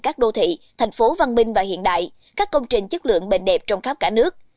các đô thị thành phố văn minh và hiện đại các công trình chất lượng bền đẹp trong khắp cả nước